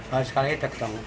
baru sekali itu ketemu